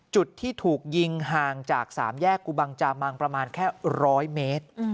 จุดที่ถูกยิงห่างจาก๓แยกกุบังจามังประมาณแค่๑๐๐เมตร